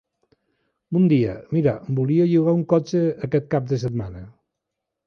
Bon dia, mira volia llogar un cotxe aquest cap de setmana.